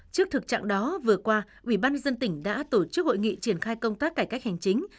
trước thực trạng đó vừa qua ubnd tỉnh đã tổ chức hội nghị triển khai công tác cải cách hành chính